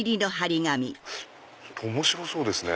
面白そうですね。